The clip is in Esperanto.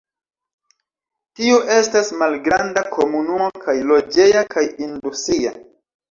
Tiu estas malgranda komunumo kaj loĝeja kaj industria.